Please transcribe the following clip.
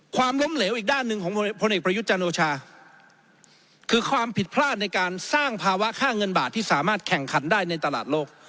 ความล้มเหลวอีกด้านหนึ่งของพลเอกประยุทธ์จันโอชาคือความผิดพลาดในการสร้างภาวะค่าเงินบาทที่สามารถแข่งขันได้ในตลาดโลก